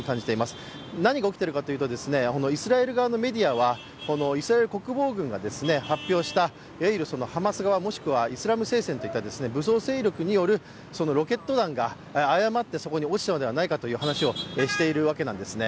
何が起きているかというとイスラエル側のメディアは、イスラエル国防軍が発表したいわゆるハマス側、もしくはイスラム聖戦といった武装勢力によるロケット弾が誤ってそこに落ちたのではないかという話をしているんてすね。